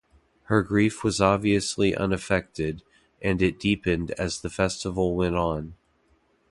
Her grief was obviously unaffected, and it deepened as the festival went on.